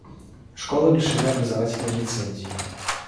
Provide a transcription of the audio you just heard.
Школу лишили образовательной лицензии.